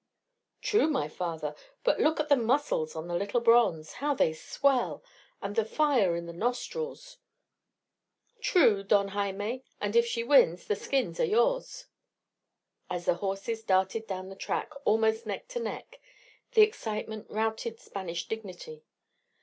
"True, my father, but look at the muscles of the little bronze. How they swell! And the fire in the nostrils!" "True, Don Jaime; and if she wins, the skins are yours." As the horses darted down the track almost neck to neck, the excitement routed Spanish dignity.